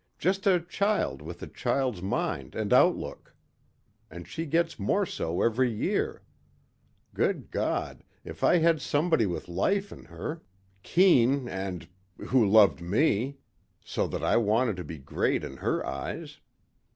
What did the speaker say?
Just a child with a child's mind and outlook. And she gets more so every year. Good God, if I had somebody with life in her. Keen and ... who loved me. So that I wanted to be great in her eyes.